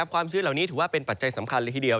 ความชื้นเหล่านี้ถือว่าเป็นปัจจัยสำคัญเลยทีเดียว